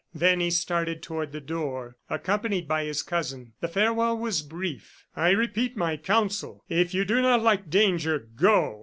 Then he started toward the door, accompanied by his cousin. The farewell was brief. "I repeat my counsel. If you do not like danger, go!